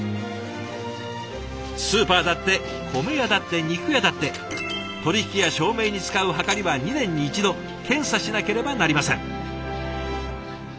スーパーだって米屋だって肉屋だって取引や証明に使うはかりは２年に１度検査しなければなりません。